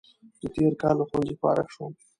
زه تېر کال له ښوونځي فارغ شوم